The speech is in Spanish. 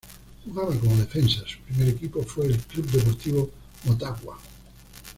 Jugaba como defensa, su primer equipo fue el Club Deportivo Motagua.